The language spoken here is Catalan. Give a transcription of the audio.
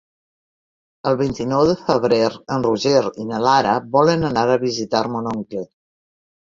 El vint-i-nou de febrer en Roger i na Lara volen anar a visitar mon oncle.